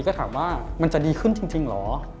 ก็ถามว่ามันจะดีขึ้นจริงเหรอ